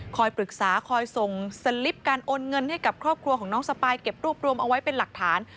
ปรึกษาคอยส่งสลิปการโอนเงินให้กับครอบครัวของน้องสปายเก็บรวบรวมเอาไว้เป็นหลักฐาน